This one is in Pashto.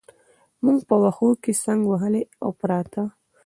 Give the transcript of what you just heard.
موږ په وښو کې څنګ وهلي او پراته.